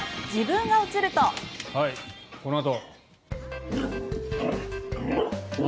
はい、このあと。